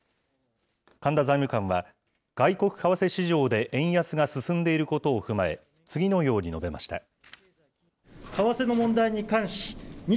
神田財務官は、外国為替市場で円安が進んでいることを踏まえ、次のように述べました。